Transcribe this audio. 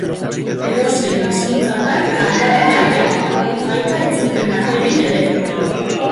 Edozein hizkuntzatan kantatu daiteke, baita itzulpenak egin ere.